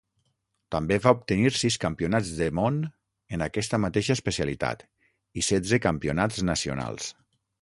També va obtenir sis Campionats de món en aquesta mateixa especialitat, i setze campionats nacionals.